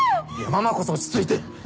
ママこそ落ち着いて。